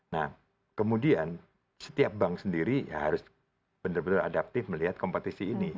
nah kemudian setiap bank sendiri ya harus benar benar adaptif melihat kompetisi ini